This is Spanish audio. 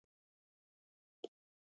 Earl Wilbur Sutherland Jr.